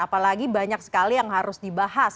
apalagi banyak sekali yang harus dibahas